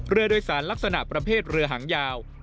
เรือโดยสารลักษณะประเภทเรือหางยาว